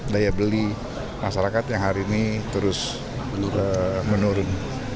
daya beli masyarakat yang hari ini terus menurun